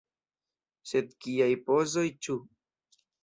Sed kiaj pozoj, ĉu?